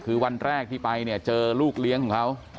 คือวันแรกที่ไปเนี่ยเจอลูกเลี้ยงของเขา